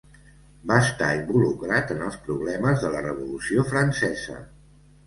Va estar involucrat en els problemes de la Revolució francesa.